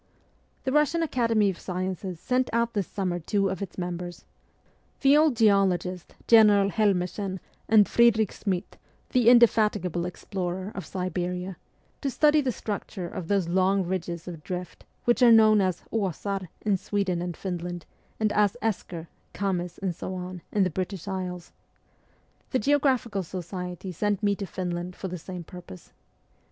The Russian Academy of Sciences sent out this summer two of its members the old geologist General Helmersen and Friedrich Schmidt, the indefatigable explorer of Siberia to study the structure of those long ridges of drift which are known as dsar in Sweden and Finland, and as esker, kames, and so on, in the British Isles. The Geographical Society sent me to Finland for the same purpose.